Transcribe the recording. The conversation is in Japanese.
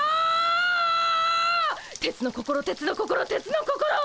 鉄の心鉄の心鉄の心！